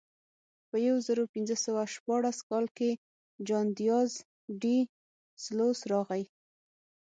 په یو زرو پینځه سوه شپاړس کال کې جان دیاز ډي سلوس راغی.